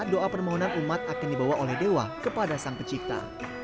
doa permohonan umat akan dibawa oleh dewa kepada sang pencipta